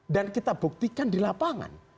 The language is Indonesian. dan kita buktikan di lapangan